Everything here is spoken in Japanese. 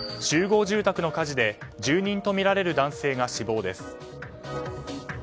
集合住宅の火事で住人とみられる男性が死亡です。